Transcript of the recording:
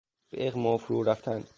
به اغما فرورفتن